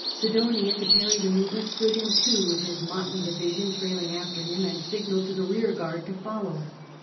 Sidonia, to parry the movement, stood in too with his motley division trailing after him, and signalled to the rearguard to follow.